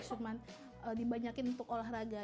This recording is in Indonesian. cuman dibanyakin untuk olahraga